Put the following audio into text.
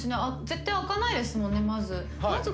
絶対開かないですもんねまず。